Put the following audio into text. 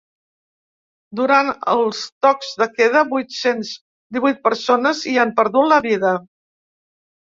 Durant els tocs de queda vuit-cents divuit persones hi han perdut la vida.